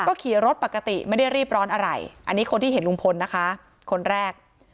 ก็ขี่รถปกติไม่ได้รีบร้อนอะไรอันนี้คนที่เห็นลุงพลนะคะคนแรก